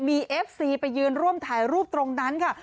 มีเอฟซีไปยืนร่วมถ่ายรูปตรงนั้นค่ะ